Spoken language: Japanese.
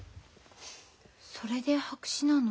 それで白紙なの？